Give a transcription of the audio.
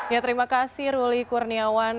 ya terima kasih ruli kurniawan